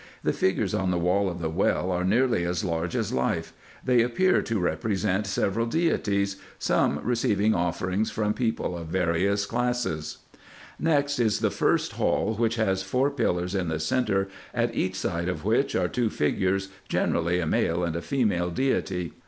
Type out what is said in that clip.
The figures on the wall of the well are nearly as large as life. They i i 9A2 RESEARCHES AND OPERATIONS appear to represent several deities ; some receiving offerings from peojjle of various classes. Next is the first hall, which has four pillars in the centre, at each side of which are two figures, generally a male and a female deity.